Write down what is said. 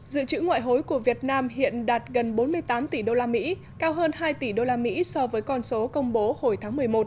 dự trữ ngoại hối của việt nam hiện đạt gần bốn mươi tám tỷ đô la mỹ cao hơn hai tỷ đô la mỹ so với con số công bố hồi tháng một mươi một